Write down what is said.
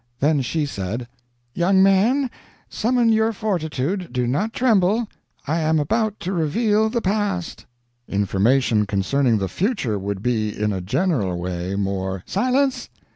Then she said: "Young man, summon your fortitude do not tremble. I am about to reveal the past." "Information concerning the future would be, in a general way, more " "Silence!